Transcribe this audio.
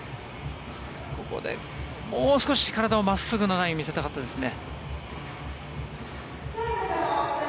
ここでもう少し体が真っすぐのライン見せたかったですね。